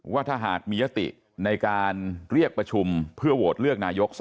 ว่าถ้าหากมียติในการเรียกประชุมเพื่อโหวตเลือกนายก